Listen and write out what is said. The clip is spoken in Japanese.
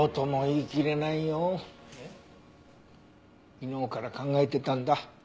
昨日から考えてたんだ。